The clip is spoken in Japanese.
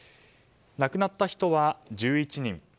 亡くなった人は１１人。